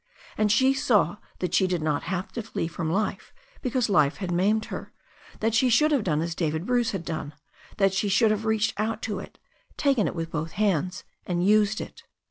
And she saw that she did not have to flee from life because life had maimed her, that she should have done as David Bruce had done, that she should have reached out to it, taken it with both hands and used it.